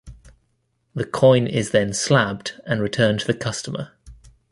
The coin is then slabbed and returned to the customer.